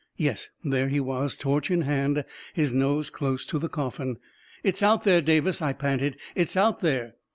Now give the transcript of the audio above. Yes, there he was, torch in hand, his nose close to the coffin. "It's out there, Davis!" I panted. "It's out there